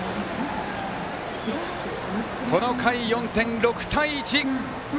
この回、４点、６対１！